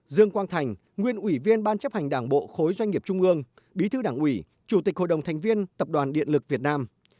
dương quang thành nguyên ủy viên ban chấp hành đảng bộ khối doanh nghiệp trung ương bí thư đảng ủy chủ tịch hội đồng thành viên tập đoàn điện lực việt nam